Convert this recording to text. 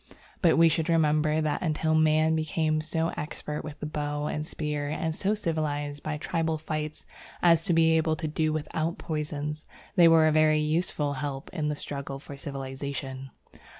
But we should remember that until man became so expert with the bow and spear and so civilized by tribal fights as to be able to do without poisons, they were a very useful help in the struggle for civilization.